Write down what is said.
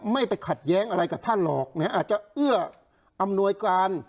ไม่ไปขัดแย้งอะไรกับท่านหรอกอาจจะเอื้ออำนวยการ